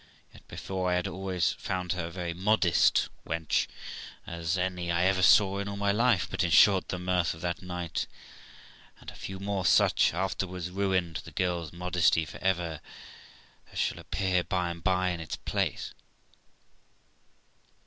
Yet, before, I had always found her a very modest wench as any I ever saw in all my life; but, in short, the mirth of that night, and a few more such afterwards, ruined the girl's modesty for ever, as shall appear by and by, in its place.